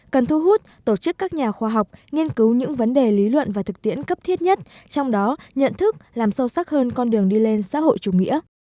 cần thu hút tổ chức các nhà khoa học nghiên cứu những vấn đề lý luận và thực tiễn cấp thiết nhất trong đó nhận thức làm sâu sắc hơn con đường đi lên xã hội chủ nghĩa